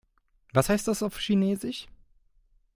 Was heißt das auf Chinesisch?